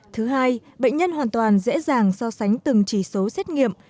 thứ hai bệnh nhân hoàn toàn dễ dàng so sánh từng chỉ số xét nghiệm